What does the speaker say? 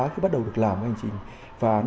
cứ bắt đầu được làm hành trình phá án